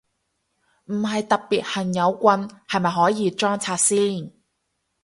唔係特別恨有棍，係咪可以裝拆先？